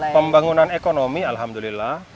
pembangunan ekonomi alhamdulillah